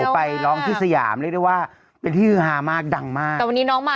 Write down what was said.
ไปร้องที่สยามเรียกได้ว่าเป็นที่ฮือฮามากดังมากแต่วันนี้น้องมา